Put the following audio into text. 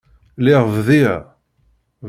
Lliɣ bḍiɣ.